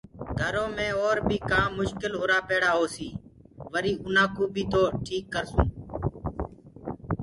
گھرو مي اور بيٚ ڪآم مشڪل هرآ پيڙآ هوسيٚ وريٚ آنآ ڪو بيٚ تو ٽيٽ ڪرسونٚ